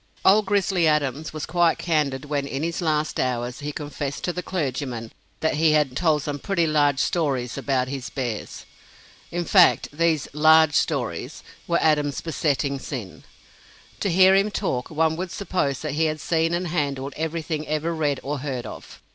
"Old Grizzly Adams" was quite candid when, in his last hours, he confessed to the clergyman that he had "told some pretty large stories about his bears." In fact, these "large stories" were Adam's "besetting sin." To hear him talk, one would suppose that he had seen and handled everything ever read or heard of.